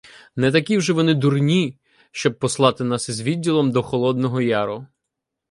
Не такі вже вони дурні, щоб послати нас із відділом до Холодного Яру.